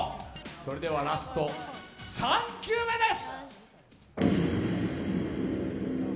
それではラスト３球目です。